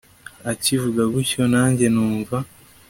Akivuga gutyo nanjye numva